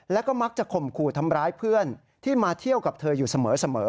แล้วก็มักจะข่มขู่ทำร้ายเพื่อนที่มาเที่ยวกับเธออยู่เสมอ